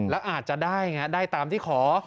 แล้วอาจจะได้อย่างนี้ได้ตามที่ขอ